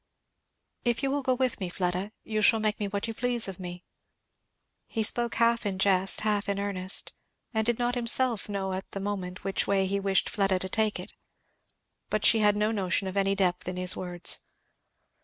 "If you will go with me, Fleda, you shall make what you please of me!" He spoke half in jest, half in earnest, and did not himself know at the moment which way he wished Fleda to take it. But she had no notion of any depth in his words.